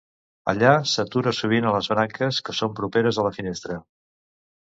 Allà s'atura sovint a les branques que són properes a la finestra.